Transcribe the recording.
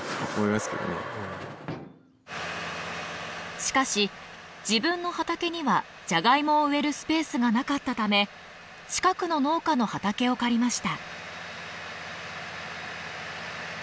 しかし自分の畑にはジャガイモを植えるスペースがなかったため近くの農家の畑を借りました。